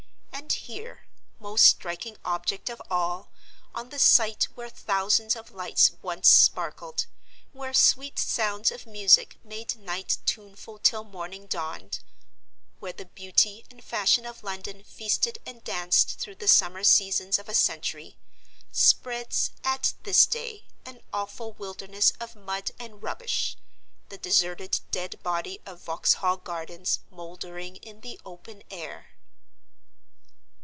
And here—most striking object of all—on the site where thousands of lights once sparkled; where sweet sounds of music made night tuneful till morning dawned; where the beauty and fashion of London feasted and danced through the summer seasons of a century—spreads, at this day, an awful wilderness of mud and rubbish; the deserted dead body of Vauxhall Gardens mouldering in the open air.